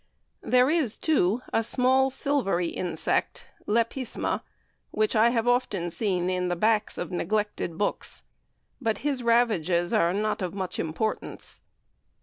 There is, too, a small silvery insect (Lepisma) which I have often seen in the backs of neglected books, but his ravages are not of much importance.